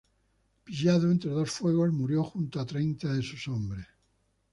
Pillado entre dos fuegos, murió junto a treinta de sus hombres.